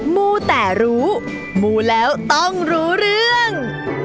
มูแต่รู้มูแล้วต้องรู้เรื่อง